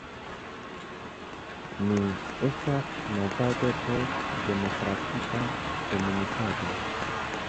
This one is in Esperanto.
Ni estas movado por demokratia komunikado.